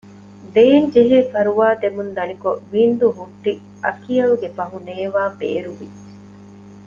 ދޭންޖެހޭ ފަރުވާދެމުން ދަނިކޮށް ވިންދުހުއްޓި އަކިޔަލްގެ ފަހުނޭވާ ބޭރުވި